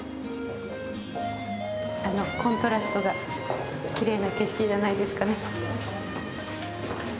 コントラストがきれいな景色じゃないですかね。